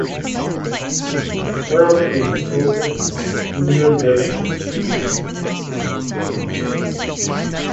The firm is focused on senior living and genomics.